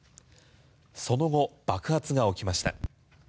その後、爆発が起きました。